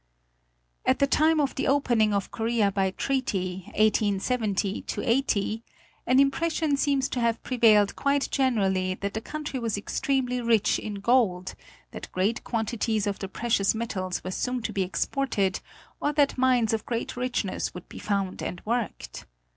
At the time of the opening of Korea by treaty, 1870 80, an Impression seems to have prevailed quite generally that the country was extremely rich in gold, that great quantities of the precious metals were soon to be exported, or that mines of great richness would be found and worked.